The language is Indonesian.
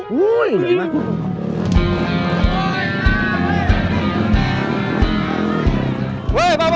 woi enggak gimana